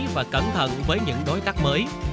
và cẩn thận với những đối tác mới